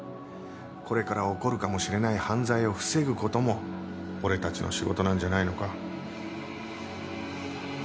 これから起こるかもしれない犯罪を防ぐ事も俺たちの仕事なんじゃないのか？